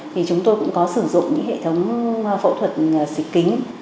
thì chúng tôi cũng có sử dụng những hệ thống phẫu thuật xịt kính